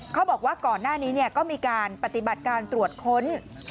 ก่อนหน้านี้ก็มีการปฏิบัติการตรวจค้น